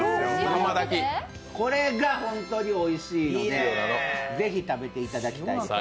これが本当においしいので、ぜひ食べていただきたいです。